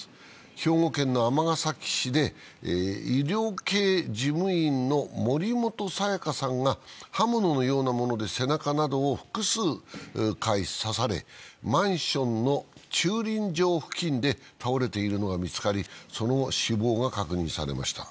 兵庫県の尼崎市で医療系事務員の森本彩加さんが刃物のようなもので背中などを複数回刺され、マンションの駐輪場付近で倒れているのが見つかり、その後、死亡が確認されました。